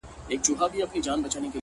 دا سر به د منصور غوندي و دار ته ور وړم;